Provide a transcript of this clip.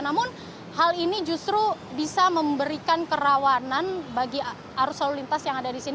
namun hal ini justru bisa memberikan kerawanan bagi arus lalu lintas yang ada di sini